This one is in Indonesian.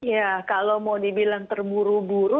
ya kalau mau dibilang terburu buru